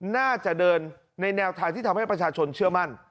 น่าจะเดินในแนวทางที่ทำให้ประชาชนเชื่อมั่น